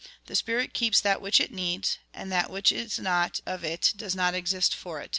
The spirit keeps that which it needs, and that which is not of it does not exist for it.